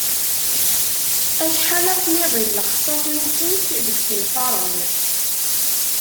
Acḥal afmiḍi n lexsas n ufus deg yisenfaren?